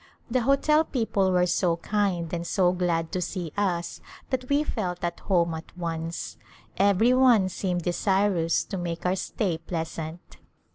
The hotel people were so kind and so glad to see us that we felt at home at once. Every one seemed desirous to make our stay pleasant.